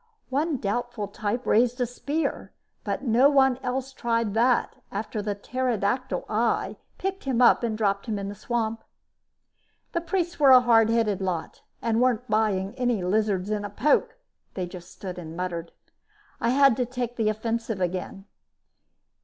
One doubtful type raised a spear, but no one else tried that after the pterodactyl eye picked him up and dropped him in the swamp. The priests were a hard headed lot and weren't buying any lizards in a poke; they just stood and muttered. I had to take the offensive again.